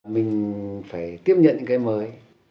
mình phải tiếp nhận những cái mới